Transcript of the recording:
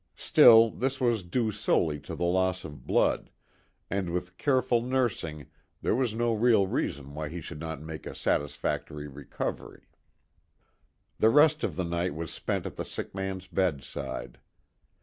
Still, this was due solely to loss of blood, and with careful nursing there was no real reason why he should not make a satisfactory recovery. The rest of the night was spent at the sick man's bedside.